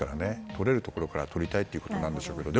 取れるところから取りたいということなんでしょうけど。